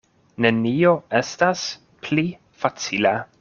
Nenio estas pli facila.